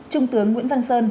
trung tướng nguyễn văn sơn